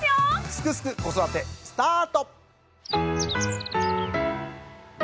「すくすく子育て」スタート！